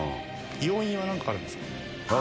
要因はなんかあるんですか？